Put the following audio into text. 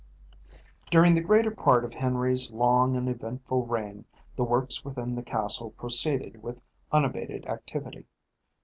During the greater part of Henry's long and eventful reign the works within the castle proceeded with unabated activity.